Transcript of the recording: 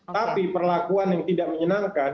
tapi perlakuan yang tidak menyenangkan